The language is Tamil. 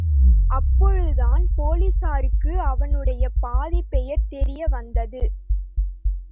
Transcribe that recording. அப்பொழுதுதான் போலிஸாருக்கு அவனுடைய பாதிப் பெயர் தெரிய வந்தது!